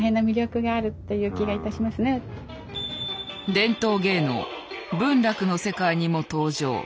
伝統芸能文楽の世界にも登場。